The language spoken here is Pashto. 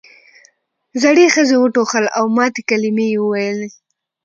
زړې ښځې وټوخل او ماتې کلمې یې وویل.